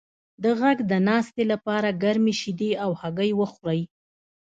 د غږ د ناستې لپاره ګرمې شیدې او هګۍ وخورئ